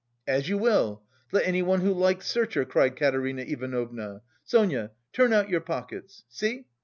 "As you will! Let anyone who likes search her!" cried Katerina Ivanovna. "Sonia, turn out your pockets! See!